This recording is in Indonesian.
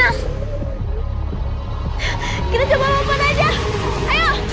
anginnya kecepatan gavita iya